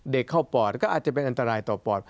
เด็กเข้าปอดก็อาจจะเป็นอันตรายต่อปอด